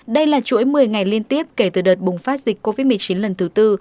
đây là chuỗi một mươi ngày liên tiếp kể từ đợt bùng phát dịch covid một mươi chín lần thứ tư